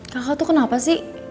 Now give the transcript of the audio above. kakak tuh kenapa sih